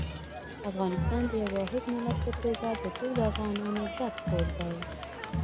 افغانستان د یو واحد ملت په توګه د ټولو افغانانو ګډ کور دی.